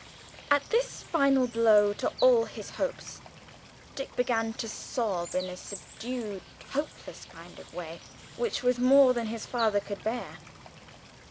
At this final blow to all his hopes, Dick began to sob in a subdued hopeless kind of way, which was more than his father could bear.